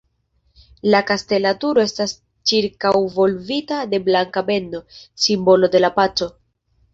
La kastela turo estas ĉirkaŭvolvita de blanka bendo, simbolo de la paco.